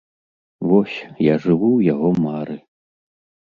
Вось, я жыву ў яго мары.